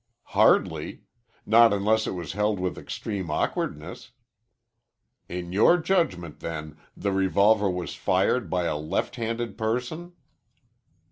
"Hardly. Not unless it was held with extreme awkwardness." "In your judgment, then, the revolver was fired by a left handed person?"